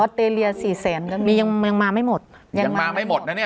เตรเลียสี่แสนยังมียังมาไม่หมดยังยังมาไม่หมดนะเนี่ย